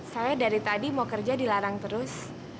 saya dari tadi mau kerja dilarang terus